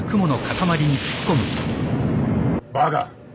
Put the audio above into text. バカ！